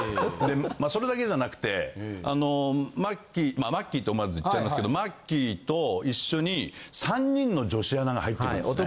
それだけじゃなくてあのマッキーまあマッキーって思わず言っちゃいますけどマッキーと一緒に３人の女子アナが入ってくるんですね。